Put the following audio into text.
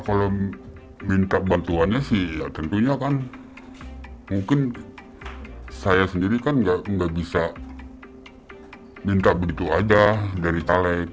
kalau minta bantuannya tentunya kan mungkin saya sendiri kan tidak bisa minta begitu saja dari caleg